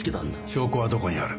証拠はどこにある？